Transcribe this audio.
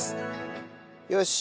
よし。